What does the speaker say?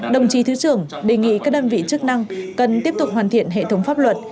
đồng chí thứ trưởng đề nghị các đơn vị chức năng cần tiếp tục hoàn thiện hệ thống pháp luật